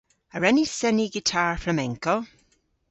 A wren ni seni gitar flamenco?